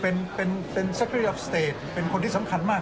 เป็นคนที่สำคัญมาก